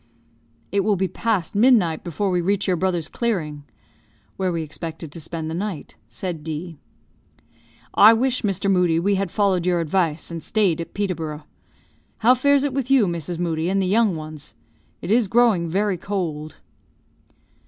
"It will be past midnight before we reach your brother's clearing" (where we expected to spend the night), said D . "I wish, Mr. Moodie, we had followed your advice, and staid at Peterborough. How fares it with you, Mrs. Moodie, and the young ones? It is growing very cold."